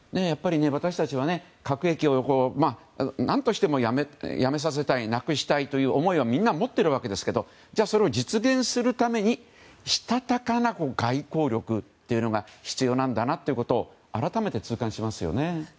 私たちは核兵器を何としてもやめさせたいなくしたいという思いはみんな持っているわけですけどそれを実現するためにしたたかな外交力というのが必要なんだなということを改めて痛感しますね。